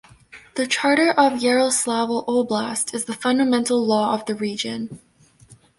The Charter of Yaroslavl Oblast is the fundamental law of the region.